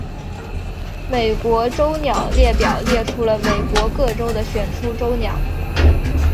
美国州鸟列表列出了美国各州的选出州鸟。